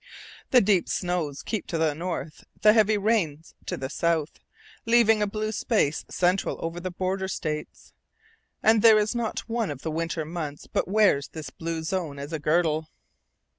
The deep snows keep to the north, the heavy rains to the south, leaving a blue space central over the border States. And there is not one of the winter months but wears this blue zone as a girdle.